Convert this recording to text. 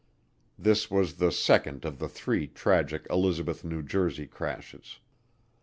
This was the second of the three tragic Elizabeth, New Jersey, crashes.